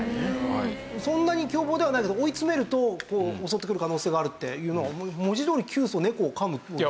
そんなに凶暴ではないけど追い詰めると襲ってくる可能性があるっていうのは文字どおり窮鼠猫を噛む。